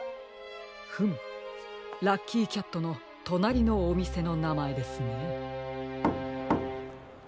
フムラッキーキャットのとなりのおみせのなまえですね。